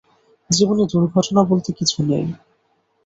জীবনে দু্র্ঘটনা বলতে কিছু নেই।